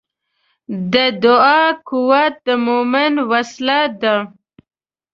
د دعا قوت د مؤمن وسله ده.